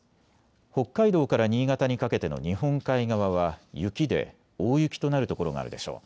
北海道から新潟にかけての日本海側は雪で大雪となる所があるでしょう。